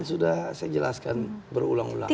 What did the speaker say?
sudah saya jelaskan berulang ulang